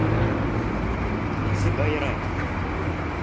Нисек айырайым?